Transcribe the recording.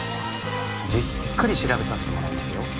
じっくり調べさせてもらいますよ。